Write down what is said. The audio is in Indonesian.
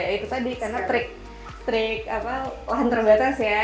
itu tadi karena trik lahan terbatas ya